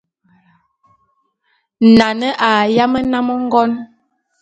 Nane a yám nnám ngon.